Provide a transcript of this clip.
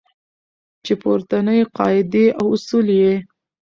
چې پورتنۍ قاعدې او اصول یې